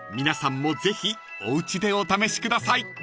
［皆さんもぜひおうちでお試しください］